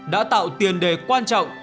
đã tạo tiền đề quan trọng